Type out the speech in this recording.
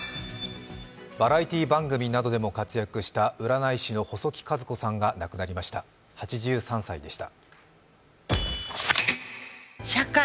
バラエティー番組などでも活躍した占い師の細木数子さんが亡くなりました、８３歳でした。